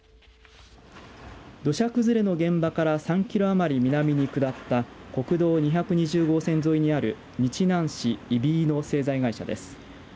土砂崩れの現場から３キロ余り南に下った国道２２０号線沿いにある日南市伊比井の製材会社です。